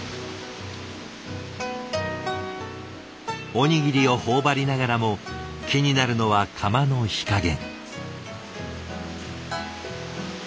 おにぎりを頬張りながらも気になるのは釜の火加減。